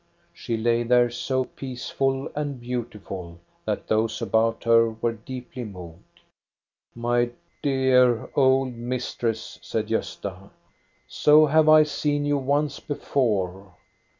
She lay there so peaceful and beautiful that those about her were deeply moved. "My dear old mistress," said Gosta, "so have I seen you once before.